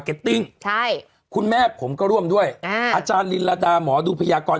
ติ้งใช่คุณแม่ผมก็ร่วมด้วยอ่าอาจารย์ลินระดาหมอดูพยากร